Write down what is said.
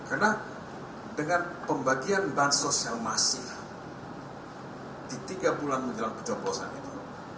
karena dengan pembagian bansos yang masih di tiga bulan menjelang kejomblosan itu